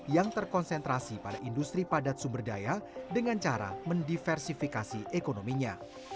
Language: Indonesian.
yang terkonsentrasi pada industri padat sumber daya dengan cara mendiversifikasi ekonominya